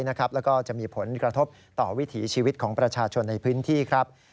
แล้วก็จะมีผลกระทบต่อวิถีชีวิตของประชาชนในพื้นที่ครับ